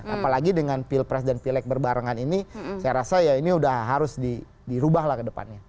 apalagi dengan pilpres dan pilek berbarengan ini saya rasa ya ini sudah harus dirubahlah ke depannya